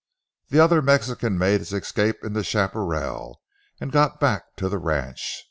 "The other Mexican made his escape in the chaparral, and got back to the ranch.